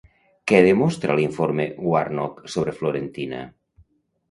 Què demostra l'Informe Warnock sobre Florentina?